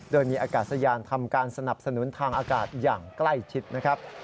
โดยมีอากาศยานทำการสนับสนุนทางอากาศอย่างใกล้ชิดนะครับ